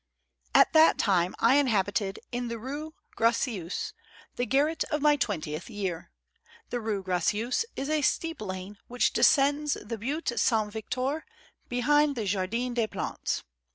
T that time I inhabited, in the Rue Gracieuse, the garret of my twentieth year. The Eue Gra cieuse is a steep lane, which descends the Butte Saint Victor, behind the Jardin des Plantes.